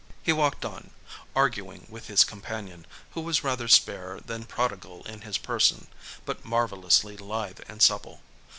He walked on, arguing with his companion, who was rather spare than prodigal in his person, but marvelously lithe and supple.